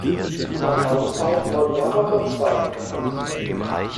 In der Folgezeit wurden mehrere Zweige genannt.